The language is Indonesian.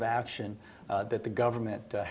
yang harus dilakukan oleh pemerintah